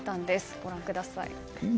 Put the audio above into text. ご覧ください。